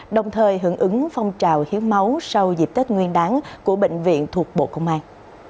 đồng thời hưởng ứng phong trào hiến máu sau dịp tết nguyên đáng của bệnh viện thuộc bộ công an